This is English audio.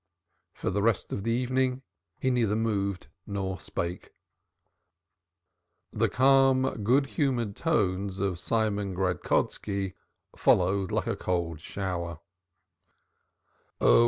For the rest of the evening he neither moved nor spake. The calm, good humored tones of Simon Gradkoski followed like a cold shower.